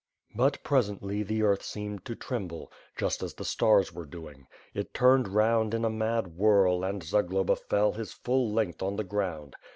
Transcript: But^ presently, the earth seemed to tremble, just as the stars were doing. It turned round in a mad whirl, and Za globa fell his full length on the ground.